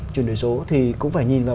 chuyển đổi số thì cũng phải nhìn vào